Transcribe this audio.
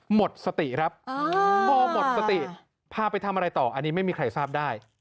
หมดสติครับพอหมดสติพาไปทำอะไรต่ออันนี้ไม่มีใครทราบได้